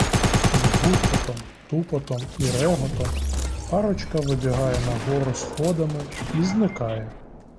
З гуркотом, тупотом і реготом парочка вибігає нагору сходами й зникає.